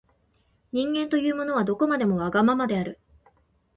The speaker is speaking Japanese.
人間というものは、どこまでもわがままである。